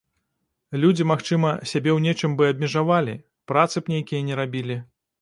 Людзі, магчыма, сябе ў нечым бы абмежавалі, працы б нейкія не рабілі.